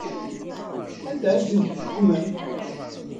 Anda ay tent-tḥukkemt?